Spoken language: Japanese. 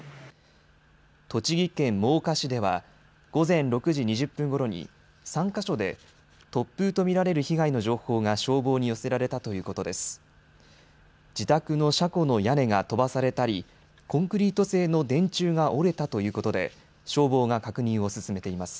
栃木県真岡市では午前６時２０分ごろに３か所で突風と見られる被害の情報が消防に寄せられたということです。